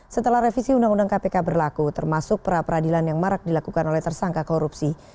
setelah revisi undang undang kpk berlaku termasuk perapradilan yang marak dilakukan oleh tersangka korupsi